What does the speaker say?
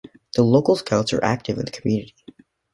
The local Scouts are active in the community.